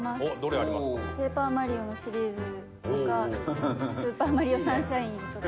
『ペーパーマリオ』のシリーズとか『スーパーマリオサンシャイン』とか。